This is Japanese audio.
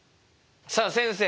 さあ先生